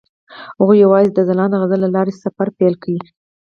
هغوی یوځای د ځلانده غزل له لارې سفر پیل کړ.